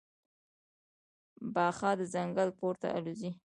باښه د ځنګل پورته الوزي.